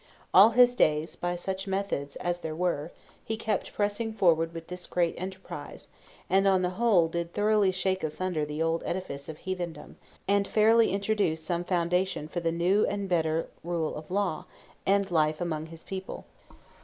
All his days, by such methods as there were, he kept pressing forward with this great enterprise; and on the whole did thoroughly shake asunder the old edifice of heathendom, and fairly introduce some foundation for the new and better rule of faith and life among his people.